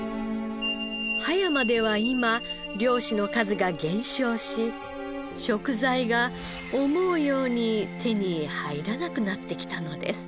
葉山では今漁師の数が減少し食材が思うように手に入らなくなってきたのです。